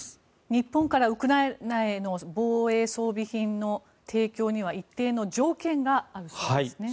日本からウクライナへの防衛装備品の提供には一定の条件があるそうですね。